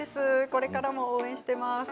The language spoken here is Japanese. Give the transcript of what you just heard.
これからも応援しています。